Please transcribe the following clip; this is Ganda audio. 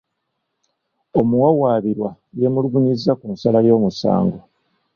Omuwawaabirwa yemulugunyizza ku nsala y'omusango.